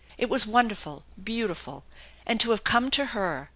It was wonderful, beautiful ! And to have come to her!